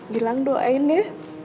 jilang doain ya